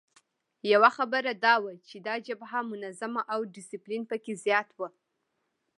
یوه خبره دا وه چې دا جبهه منظمه او ډسپلین پکې زیات وو.